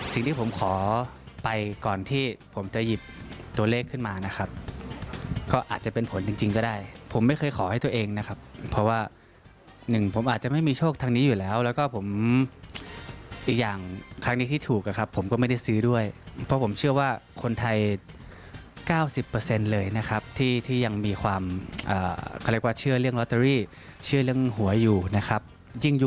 สิ่งที่ผมขอไปก่อนที่ผมจะหยิบตัวเลขขึ้นมานะครับก็อาจจะเป็นผลจริงก็ได้ผมไม่เคยขอให้ตัวเองนะครับเพราะว่าหนึ่งผมอาจจะไม่มีโชคทางนี้อยู่แล้วแล้วก็ผมอีกอย่างครั้งนี้ที่ถูกอะครับผมก็ไม่ได้ซื้อด้วยเพราะผมเชื่อว่าคนไทย๙๐เลยนะครับที่ยังมีความเขาเรียกว่าเชื่อเรื่องลอตเตอรี่เชื่อเรื่องหวยอยู่นะครับยิ่งยุ